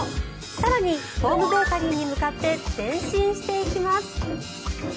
更にホームベーカリーに向かって前進していきます。